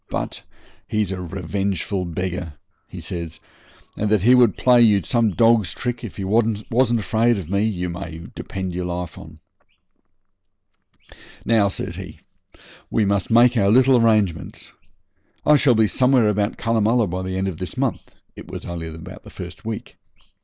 But he's a revengeful beggar,' he says, 'and that he would play you some dog's trick if he wasn't afraid of me, you may depend your life on.' 'Now,' says he, 'we must make our little arrangements. I shall be somewhere about Cunnamulla by the end of this month' (it was only the first week).